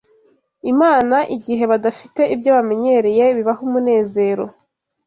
Imana igihe badafite ibyo bamenyereye bibaha umunezero.